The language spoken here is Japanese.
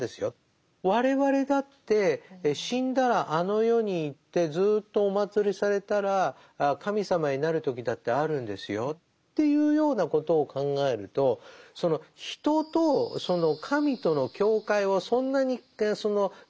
我々だって死んだらあの世に行ってずっとお祀りされたら神様になる時だってあるんですよっていうようなことを考えるとそのということを言ってるわけですよね。